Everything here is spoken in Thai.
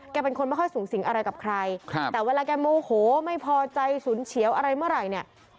เป็นคนไม่ค่อยสูงสิงอะไรกับใครครับแต่เวลาแกโมโหไม่พอใจฉุนเฉียวอะไรเมื่อไหร่เนี่ย